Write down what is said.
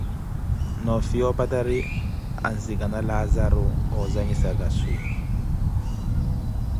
Noofiya opatari ansikana Laazaru oozanyisaka swi.